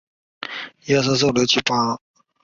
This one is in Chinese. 该种分布于台湾等地。